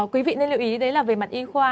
quý vị nên lưu ý đấy là về mặt y khoa